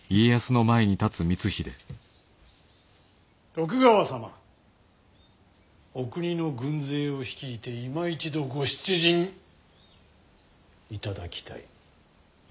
徳川様お国の軍勢を率いていま一度ご出陣いただきたい。